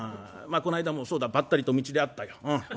まあこないだもそうだばったりと道で会ったよ。